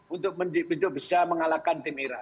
untuk bisa mengalahkan tim era